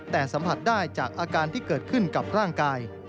แต่สัมผัสได้จากอาการที่เกิดขึ้นกับร่างกาย